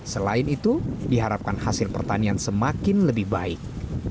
selain itu diharapkan hasil pertanian semakin lebih baik